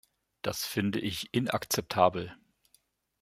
Das finde ich inakzeptabel.